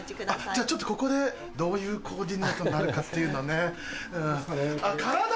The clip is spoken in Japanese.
じゃあちょっとここでどういうコーディネートになるかっていうのをね。